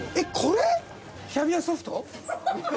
キャビアソフト。